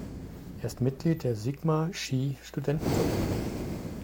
Er ist Mitglied der Sigma-Chi-Studentenverbindung.